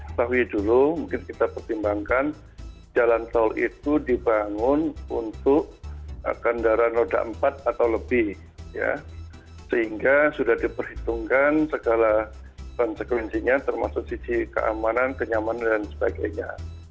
ketahui dulu mungkin kita pertimbangkan jalan tol itu dibangun untuk kendaraan roda empat atau lebih ya sehingga sudah diperhitungkan segala konsekuensinya termasuk sisi keamanan kenyamanan dan sebagainya